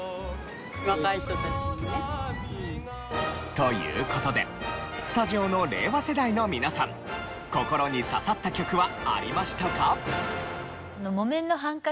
という事でスタジオの令和世代の皆さん心に刺さった曲はありましたか？